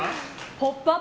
「ポップＵＰ！」